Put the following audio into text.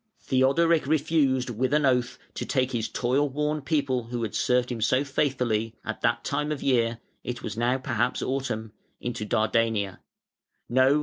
] Theodoric refused with an oath to take his toil worn people who had served him so faithfully, at that time of year (it was now perhaps autumn) into Dardania. No!